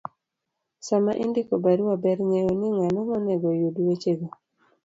Sama indiko barua , ber ng'eyo ni ng'ano monego oyud wechego,